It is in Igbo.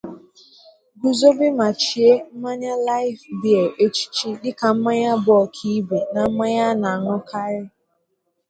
guzobe ma chie mmanya 'Life Beer' echichi dịka mmanya bụ ọkaibe nà mmanya a na-añụkarị